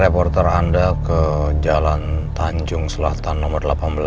reporter anda ke jalan tanjung selatan nomor delapan belas